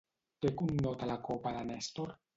Què connota la copa de Nèstor?